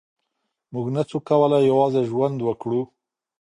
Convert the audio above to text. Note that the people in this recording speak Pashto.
مونږ نسو کولای یوازې ژوند وکړو.